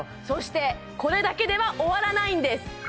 そしてこれだけでは終わらないんです